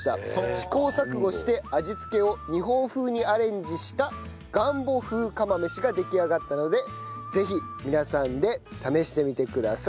「試行錯誤して味付けを日本風にアレンジしたガンボ風釜飯が出来上がったのでぜひ皆さんで試してみてください」